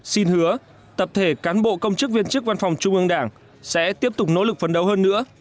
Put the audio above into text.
xin hứa tập thể cán bộ công chức viên chức văn phòng trung ương đảng sẽ tiếp tục nỗ lực phấn đấu hơn nữa